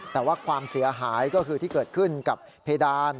แต่ว่าความเสียหายก็คือที่เกิดขึ้นกับเพดาน